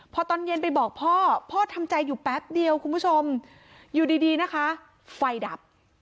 พอตอนเย็นไปบอกพ่อพ่อทำใจอยู่แป๊บเดียวคุณผู้ชมอยู่ดีนะคะไฟดับ